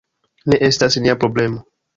Ne estas nia problemo.